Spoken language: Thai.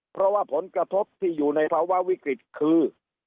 เพราะว่าผลกระทบที่อยู่ในภาวะวิกฤตคือ